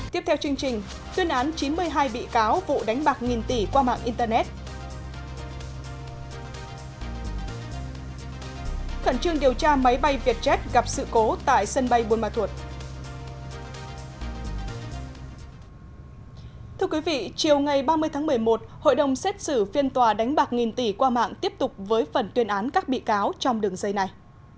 thưa quý vị chiều ngày ba mươi tháng một mươi một hội đồng xét xử phiên tòa đánh bạc nghìn tỷ qua mạng tiếp tục với phần tuyên án các bị cáo trong đường dây này